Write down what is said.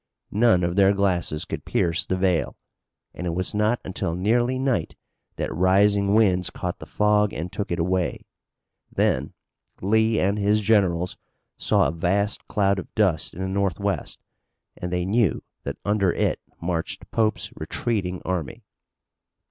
None of their glasses could pierce the veil, and it was not until nearly night that rising winds caught the fog and took it away. Then Lee and his generals saw a vast cloud of dust in the northwest and they knew that under it marched Pope's retreating army.